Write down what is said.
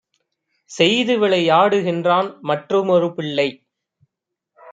செய்துவிளை யாடுகின்றான் மற்றுமொரு பிள்ளை!